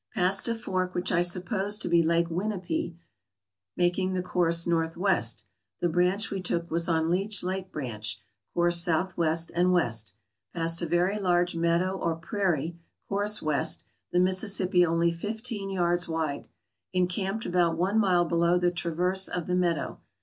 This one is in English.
Passed a fork which I supposed to be Lake Winipie, making the course northwest; the branch we took was on Leech Lake branch, course southwest and west. Passed a very large meadow or prairie, course west, the Mississippi only fifteen yards wide. Encamped about one mile below the traverse of the meadow.